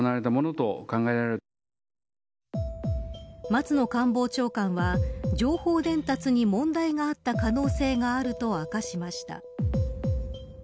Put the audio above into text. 松野官房長官は情報伝達に問題があったかの可能性があると明かしました。